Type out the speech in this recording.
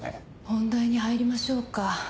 本題に入りましょうか。